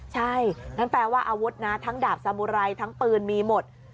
ใช่งั้นแปลว่าอาวุธนะทั้งดาบสมุไรทั้งปืนมีหมด